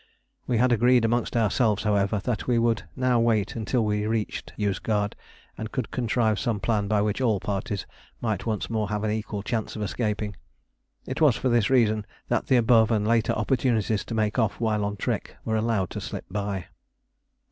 We had agreed amongst ourselves, however, that we would now wait until we reached Yozgad, and could contrive some plan by which all parties might once more have an equal chance of escaping. It was for this reason that the above and later opportunities to make off while on trek were allowed to slip by.